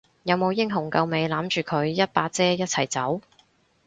有冇英雄救美攬住佢一把遮一齊走？